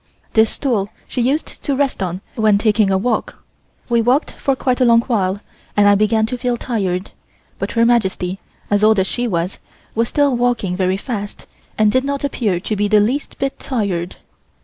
This stool she used to rest on when taking a walk. We walked for quite a long while and I began to feel tired, but Her Majesty, as old as she was, was still walking very fast and did not appear to be the least bit tired.